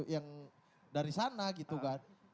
yang dari sana gitu kan